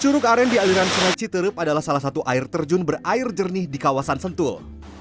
curug aren di aliran sungai citerup adalah salah satu air terjun berair jernih di kawasan sentul